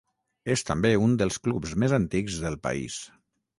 És també un dels clubs més antics del país.